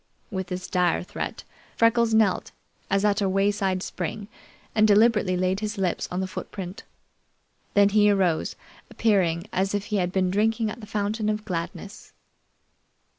With this dire threat, Freckles knelt, as at a wayside spring, and deliberately laid his lips on the footprint. Then he arose, appearing as if he had been drinking at the fountain of gladness.